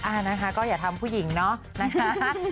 อ่านะคะก็อย่าทำผู้หญิงเนาะนะคะ